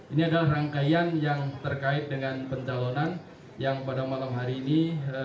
ini adalah rangkaian yang terkait dengan pencalonan yang pada malam hari ini